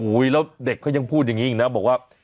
แล้วเด็กเขายังพูดอย่างนี้อีกนะบอกว่า